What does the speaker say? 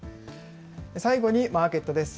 最後にマーケットです。